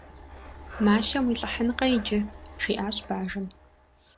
Мащэм уилӏыхьынкъэ иджы! - жиӏащ бажэм.